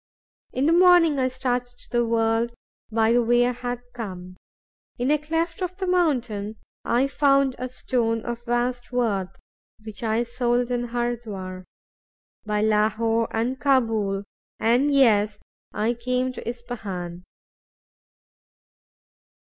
In the morning I started to the world by the way I had come. In a cleft of the mountain I found a stone of vast worth, which I sold in Hurdwar. By Lahore, and Cabool, and Yezd, I came to Ispahan.